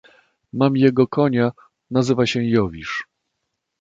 "Mam jego konia... nazywa się Jowisz."